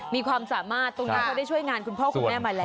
มีความสามารถตรงนั้นเขาได้ช่วยงานคุณพ่อคุณแม่มาแล้ว